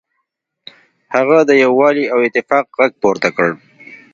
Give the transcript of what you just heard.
هغه د یووالي او اتفاق غږ پورته کړ.